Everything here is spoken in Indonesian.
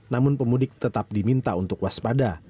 namun pemudik tetap diminta untuk waspada